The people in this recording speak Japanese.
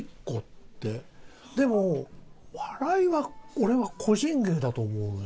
でも笑いは俺は個人芸だと思うよ。